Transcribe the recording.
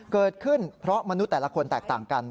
เกิดขึ้นเพราะมนุษย์แต่ละคนแตกต่างกัน